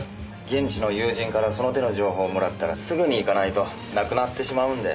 現地の友人からその手の情報をもらったらすぐに行かないとなくなってしまうんで。